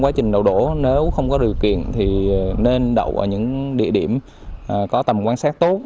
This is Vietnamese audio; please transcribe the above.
quá trình đậu đổ nếu không có điều kiện thì nên đậu ở những địa điểm có tầm quan sát tốt